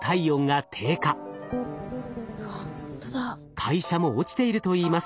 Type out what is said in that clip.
代謝も落ちているといいます。